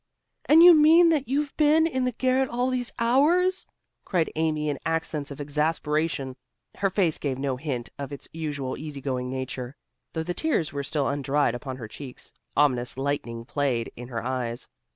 "And you mean that you've been in the garret all these hours?" cried Amy in accents of exasperation. Her face gave no hint of its usual easy going good nature. Though the tears were still undried upon her cheeks, ominous lightning played in her eyes.